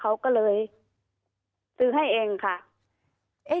เจ้าหน้าที่แรงงานของไต้หวันบอก